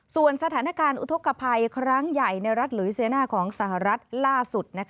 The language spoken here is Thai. ส่วนสถานการณ์อุทธกภัยครั้งใหญ่ในรัฐหลุยเซียน่าของสหรัฐล่าสุด